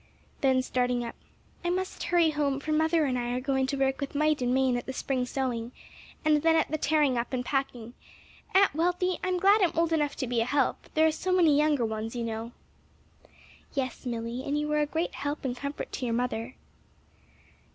Then starting up. "I must hurry home; for mother and I are going to work with might and main at the spring sewing; and then at the tearing up and packing. Aunt Wealthy, I'm glad I'm old enough to be a help; there are so many younger ones, you know." "Yes, Milly, and you are a great help and comfort to your mother."